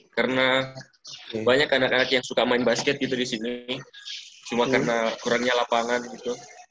karena banyak anak anak yang suka main basket gitu di sini cuma karena kurangnya lapangan gitu